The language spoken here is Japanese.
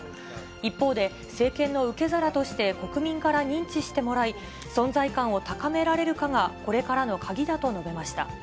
一方で、政権の受け皿として国民から認知してもらい、存在感を高められるかがこれからの鍵だと述べました。